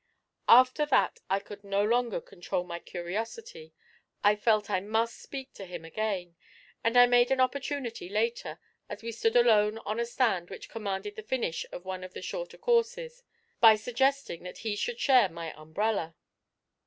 After that I could no longer control my curiosity I felt I must speak to him again, and I made an opportunity later, as we stood alone on a stand which commanded the finish of one of the shorter courses, by suggesting that he should share my umbrella.